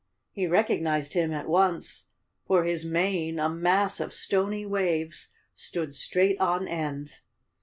He recognized him at once, for his mane, a mass of stony waves, stood straight on end.